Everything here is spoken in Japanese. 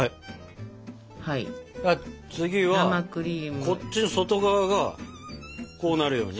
次はこっちの外側がこうなるように。